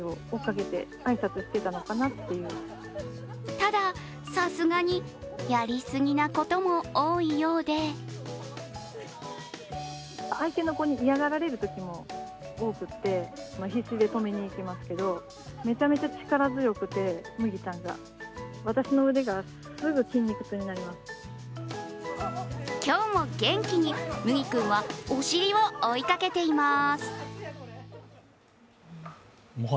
ただ、さすがにやりすぎなことも多いようで今日も元気に、麦君はお尻を追いかけています。